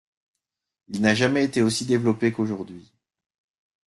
Elle n’a jamais été aussi développée qu’aujourd’hui.